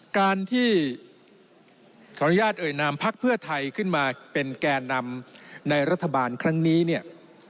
การที่ขออนุญาตเอ่ยนามพักเพื่อไทยขึ้นมาเป็นแก่นำในรัฐบาลครั้งนี้เนี่ย